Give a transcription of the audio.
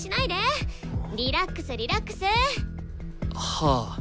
はあ。